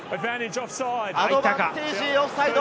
アドバンテージ、オフサイド。